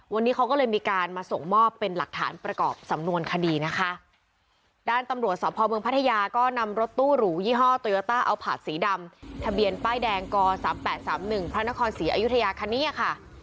วันนี้เขาก็เลยมีการมาส่งมอบเป็นหลักฐานประกอบสำนวนคดีนะคะ